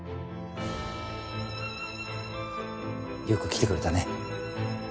よく来てくれたね。